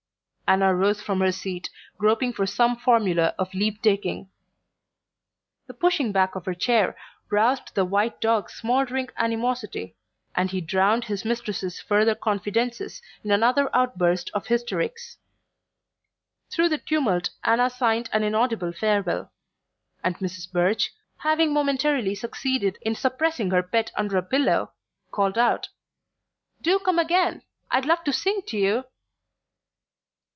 Anna rose from her seat, groping for some formula of leave taking. The pushing back of her chair roused the white dog's smouldering animosity, and he drowned his mistress's further confidences in another outburst of hysterics. Through the tumult Anna signed an inaudible farewell, and Mrs. Birch, having momentarily succeeded in suppressing her pet under a pillow, called out: "Do come again! I'd love to sing to you."